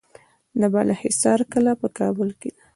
د بالاحصار کلا په کابل کې ده